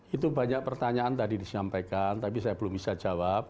itu banyak pertanyaan tadi disampaikan tapi saya belum bisa jawab